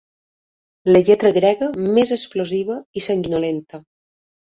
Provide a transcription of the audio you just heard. La lletra grega més explosiva i sanguinolenta.